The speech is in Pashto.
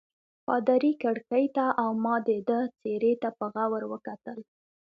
پادري کړکۍ ته او ما د ده څېرې ته په غور وکتل.